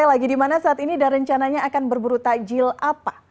lagi di mana saat ini dan rencananya akan berburu takjil apa